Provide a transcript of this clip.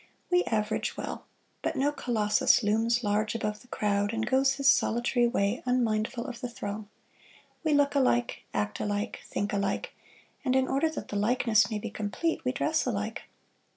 We average well, but no Colossus looms large above the crowd and goes his solitary way unmindful of the throng: we look alike, act alike, think alike, and in order that the likeness may be complete, we dress alike.